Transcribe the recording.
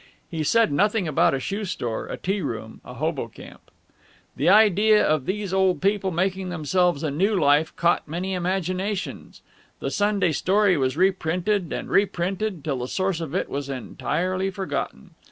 He said nothing about a shoe store, a tea room, a hobo camp. The idea of these old people making themselves a new life caught many imaginations. The Sunday story was reprinted and reprinted till the source of it was entirely forgotten.